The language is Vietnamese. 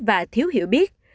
chúng ta thiếu hiểu biết